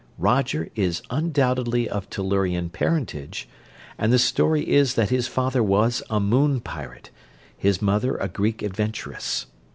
Roger is undoubtedly of Tellurian parentage, and the story is that his father was a moon pirate, his mother a Greek adventuress.